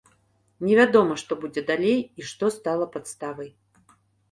Невядома, што будзе далей і што стала падставай.